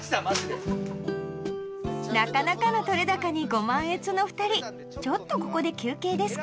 なかなかの撮れ高にご満悦の２人ちょっとここで休憩ですか？